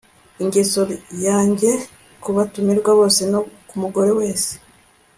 isengesho ryanjye kubatumirwa bose, no kumugore wese